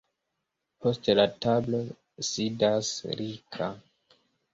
Post la tablo sidas Rika.